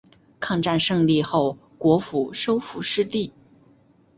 抗战胜利后国府收复失地。